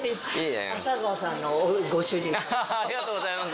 アハハありがとうございます。